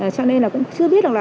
cho nên cũng chưa biết được là